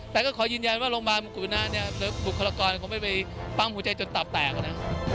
แต่ก็ขอยืนยันว่าโรงพยาบาลมงกุณาเนี่ยบุคลากรคงไม่ไปปั๊มหัวใจจนตับแตกนะ